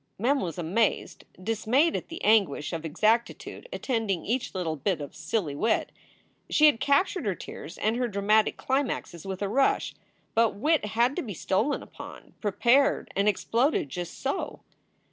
Mem was amazed, dismayed at the anguish of exactitude attending each little bit of silly wit. She had captured her tears and her dramatic climaxes with a rush. But wit had to be stolen upon, prepared, and exploded just so.